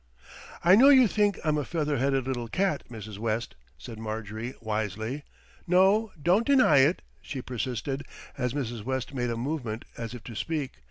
"I know you think I'm a feather headed little cat, Mrs. West," said Marjorie wisely. "No, don't deny it," she persisted, as Mrs. West made a movement as if to speak.